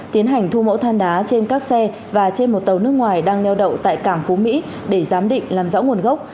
tiến hành thu mẫu than đá trên các xe và trên một tàu nước ngoài đang neo đậu tại cảng phú mỹ để giám định làm rõ nguồn gốc